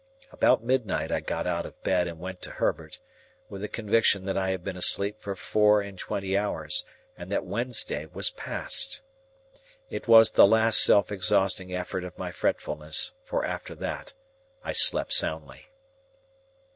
About midnight I got out of bed and went to Herbert, with the conviction that I had been asleep for four and twenty hours, and that Wednesday was past. It was the last self exhausting effort of my fretfulness, for after that I slept soundly.